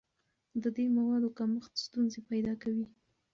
د دې موادو کمښت ستونزې پیدا کوي.